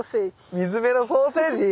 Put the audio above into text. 水辺のソーセージ？